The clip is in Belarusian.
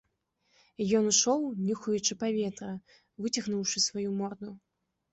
Ён ішоў, нюхаючы паветра, выцягнуўшы сваю морду.